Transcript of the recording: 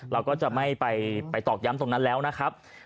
เราก็จะไม่ไปตอกย้ำตรงนั้นแล้วนะครับ